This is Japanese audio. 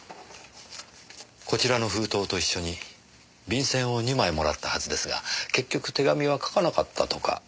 こちらの封筒と一緒に便箋を２枚もらったはずですが結局手紙は書かなかったとか。